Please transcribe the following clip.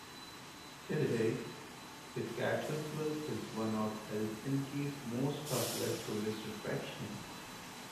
Today, the cathedral is one of Helsinki's most popular tourist attractions.